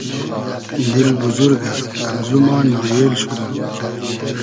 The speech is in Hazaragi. دیل بوزورگۂ امزو ما نایېل شودۉم